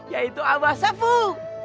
yaitu abah sepuh